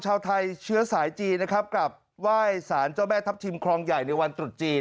ชาวไทยเชื้อสายจีนนะครับกลับไหว้สารเจ้าแม่ทัพทิมครองใหญ่ในวันตรุษจีน